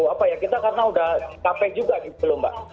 apa ya kita karena udah capek juga gitu loh mbak